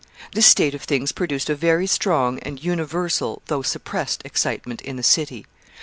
] This state of things produced a very strong and universal, though suppressed excitement in the city.